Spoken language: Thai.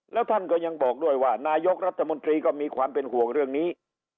แล้วท่านก็ยังบอกด้วยว่านายกรัฐมนตรีก็มีความเป็นห่วงเรื่องนี้